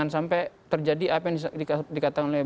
sampai terjadi apa yang dikatakan oleh